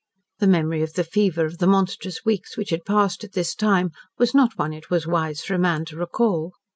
The memory of the fever of the monstrous weeks which had passed at this time was not one it was wise for a man to recall.